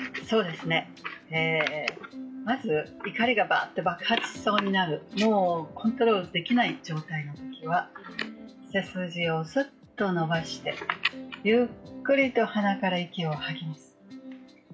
まず怒りがバーっと爆発しそうになる、もうコントロールできない状態のときは背筋をスッと伸ばしてゆっくりと鼻から息を吐きます。